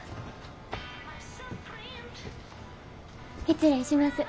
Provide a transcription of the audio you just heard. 失礼します。